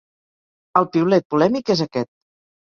El piulet polèmic és aquest.